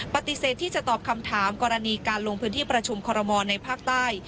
ปฏิเสธที่จะตอบคำถามกรณีการลงพื้นที่ประชุมคอรมอลในภาคใต้